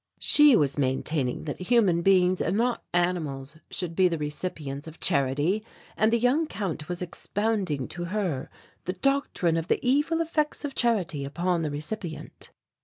She was maintaining that human beings and not animals should be the recipients of charity and the young Count was expounding to her the doctrine of the evil effects of charity upon the recipient.